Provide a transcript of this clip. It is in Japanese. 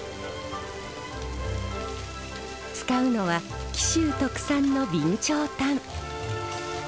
使うのは紀州特産の備長炭。